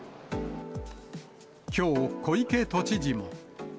きょう、小池都知事も。